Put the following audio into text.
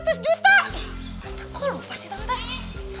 tante kok lupa sih tante